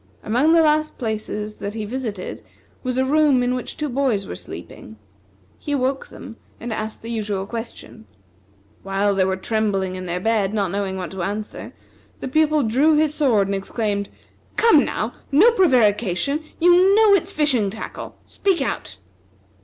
Among the last places that he visited was a room in which two boys were sleeping. He awoke them and asked the usual question. While they were trembling in their bed, not knowing what to answer, the Pupil drew his sword and exclaimed: "Come, now, no prevarication; you know it's fishing tackle. Speak out!"